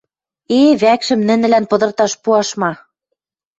— Э, вӓкшӹм нӹнӹлӓн пыдырташ пуаш ма...